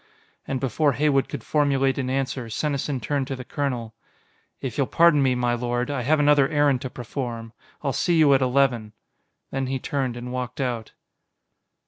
And before Heywood could formulate an answer, Senesin turned to the colonel. "If you'll pardon me, my lord, I have another errand to perform. I'll see you at eleven." Then he turned and walked out.